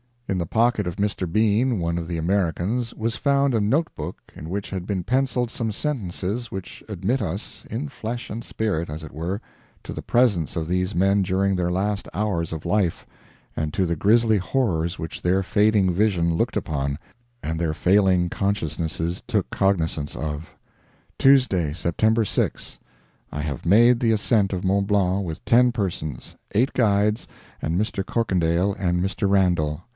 In the pocket of Mr. Bean, one of the Americans, was found a note book in which had been penciled some sentences which admit us, in flesh and spirit, as it were, to the presence of these men during their last hours of life, and to the grisly horrors which their fading vision looked upon and their failing consciousness took cognizance of: TUESDAY, SEPT. 6. I have made the ascent of Mont Blanc, with ten persons eight guides, and Mr. Corkindale and Mr. Randall.